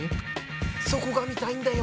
そこが見たいんだよ！